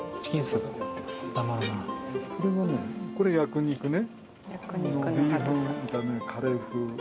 これはねこれヤク肉ね。